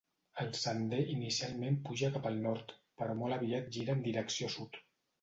El sender inicialment puja cap al nord però molt aviat gira en direcció sud.